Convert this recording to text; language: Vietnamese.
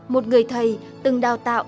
một người thầy từng đào tạo